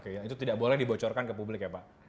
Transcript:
oke itu tidak boleh dibocorkan ke publik ya pak